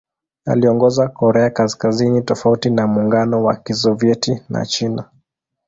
Aliongoza Korea Kaskazini tofauti na Muungano wa Kisovyeti na China.